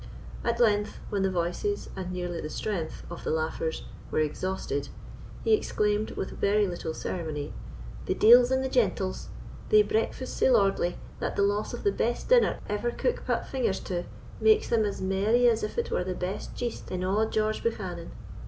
At length, when the voices, and nearly the strength, of the laughers were exhausted, he exclaimed, with very little ceremony: "The deil's in the gentles! they breakfast sae lordly, that the loss of the best dinner ever cook pat fingers to makes them as merry as if it were the best jeest in a' George Buchanan.